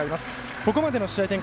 ここまでの試合展開